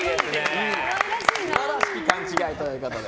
素晴らしき勘違いということで。